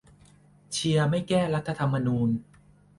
เชียร์ไม่แก้รัฐธรรมนูญ